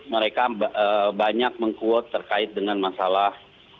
mereka banyak mengkuot terkait dengan masalah